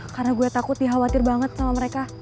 karena gue takut dia khawatir banget sama mereka